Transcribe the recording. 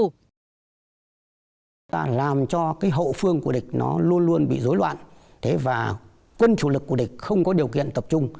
chúng ta làm cho hậu phương của địch luôn luôn bị dối loạn và quân chủ lực của địch không có điều kiện tập trung